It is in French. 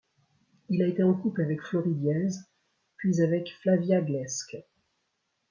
Il a été en couple avec Flory Díez puis avec Flavia Gleske.